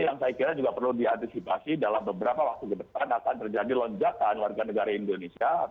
yang saya kira juga perlu diantisipasi dalam beberapa waktu ke depan akan terjadi lonjakan warga negara indonesia